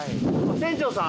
船長さん？